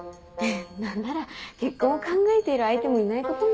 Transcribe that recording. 何なら結婚を考えている相手もいないことも。